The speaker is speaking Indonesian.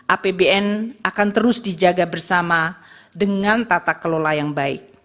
apbn akan terus dijaga bersama dengan tata kelola yang baik